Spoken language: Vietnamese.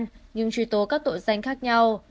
nhưng truy tố các tội danh khác nhau